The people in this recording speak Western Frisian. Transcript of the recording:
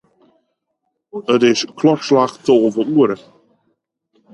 It is klokslach tolve oere.